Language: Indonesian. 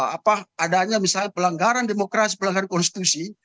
apa adanya misalnya pelanggaran demokrasi pelanggaran konstitusi